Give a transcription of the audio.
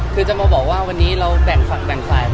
คือจะมาบอกว่าวันนี้เราแบ่งฝั่งแบ่งฝ่าย